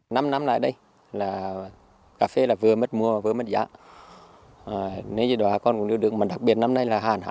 năm năm lại đây cà phê vừa mất mua vừa mất giá nếu như đó con cũng được được mà đặc biệt năm nay là hạn hạn